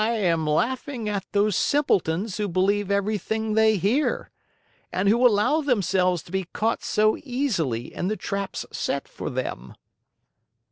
"I am laughing at those simpletons who believe everything they hear and who allow themselves to be caught so easily in the traps set for them."